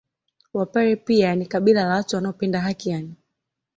Wapare pia ni kabila la watu wanaopenda haki yaani